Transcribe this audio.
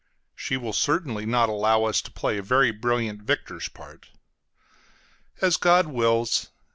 She will certainly not allow us to play a very brilliant victor's part. As God wills!